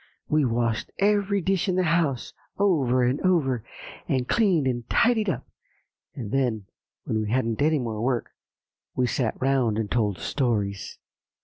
We washed every dish in the house, over and over, and cleaned and tidied up; and then, when we hadn't any more work, we sat round and told stories."